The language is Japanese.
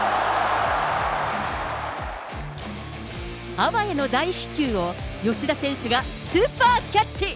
あわやの大飛球を、吉田選手がスーパーキャッチ。